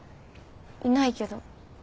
いないけど。